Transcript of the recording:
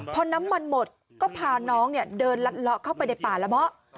พอน้ำมันหมดก็พาน้องเดินลัดเลาะเข้าไปในป่าละเมาะ